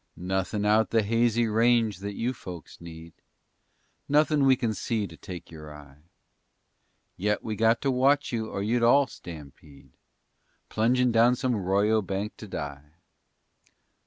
_ Nothin' out the hazy range that you folks need, Nothin' we kin see to take your eye. Yet we got to watch you or you'd all stampede, Plungin' down some 'royo bank to die.